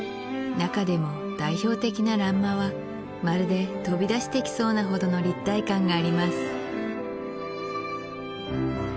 中でも代表的な欄間はまるで飛び出してきそうなほどの立体感があります